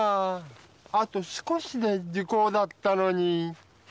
あと少しで時効だったのに。